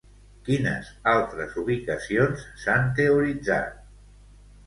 Quines altres ubicacions s'han teoritzat?